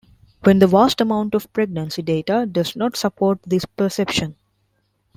When the vast amount of pregnancy data does not support this perception.